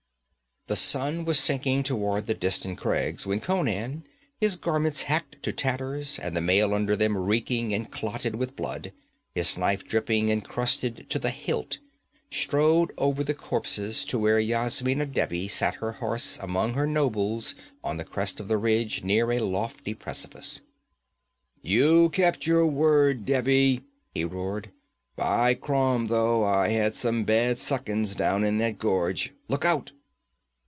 The sun was sinking toward the distant crags when Conan, his garments hacked to tatters and the mail under them reeking and clotted with blood, his knife dripping and crusted to the hilt, strode over the corpses to where Yasmina Devi sat her horse among her nobles on the crest of the ridge, near a lofty precipice. 'You kept your word, Devi!' he roared. 'By Crom, though, I had some bad seconds down in that gorge _look out!